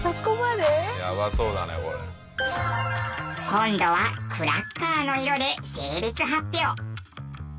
今度はクラッカーの色で性別発表。